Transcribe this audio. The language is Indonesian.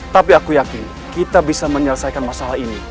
tapi aku yakin kita bisa menyelesaikan masalah ini